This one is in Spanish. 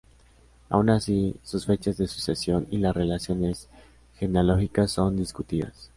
Aun así, sus fechas de sucesión y las relaciones genealógicas son discutidas.